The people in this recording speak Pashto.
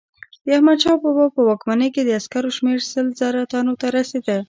د احمدشاه بابا په واکمنۍ کې د عسکرو شمیر سل زره تنو ته رسېده.